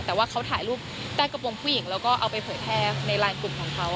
แต่ว่าเขาถ่ายรูปใต้กระโปรงผู้หญิงแล้วก็เอาไปเผยแพร่ในไลน์กลุ่มของเขา